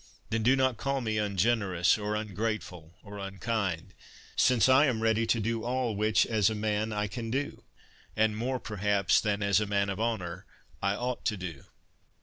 Then do not call me ungenerous, or ungrateful, or unkind, since I am ready to do all, which, as a man, I can do, and more perhaps than as a man of honour I ought to do."